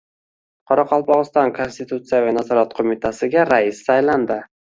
Qoraqalpog‘iston konstitutsiyaviy nazorat qo‘mitasiga rais saylandi